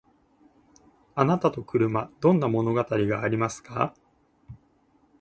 あなたと車どんな物語がありますか？